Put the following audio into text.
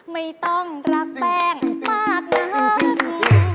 ไม่ต้องรักแป้งมากนะครับคุณ